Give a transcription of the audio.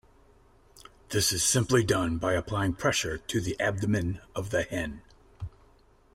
This is simply done by applying pressure to the abdomen of the hen.